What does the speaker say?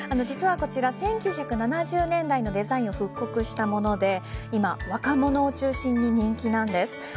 実はこちら１９７０年代のデザインを復刻したもので今、若者を中心に人気なんです。